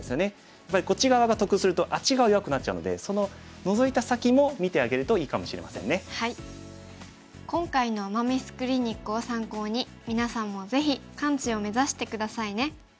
やっぱりこっち側が得するとあっち側弱くなっちゃうので今回の“アマ・ミス”クリニックを参考にみなさんもぜひ完治を目指して下さいね。